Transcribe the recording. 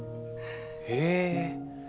へえ。